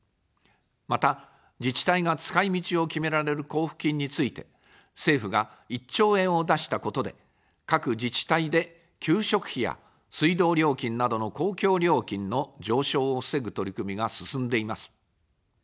また、自治体が使い道を決められる交付金について、政府が１兆円を出したことで、各自治体で給食費や水道料金などの公共料金の上昇を防ぐ取り組みが進んでいます。